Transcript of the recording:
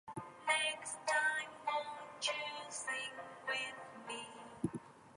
Karai the daughter of the Shredder makes her first appearance in this season.